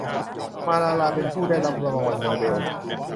มาลาลาเป็นผู้ได้รับรางวัลโนเบล